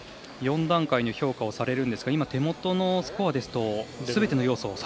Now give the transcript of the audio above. ４段階の評価をされるんですが手元のスコアですとすべての要素